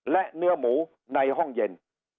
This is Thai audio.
และเนื้อหมูในห้องเย็น